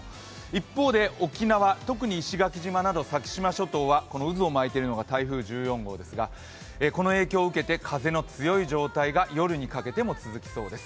一方で沖縄、特に石垣島など先島諸島はこの渦を巻いているのが台風１４号ですがこの影響を受けて風の強い状態が夜にかけても続きそうです。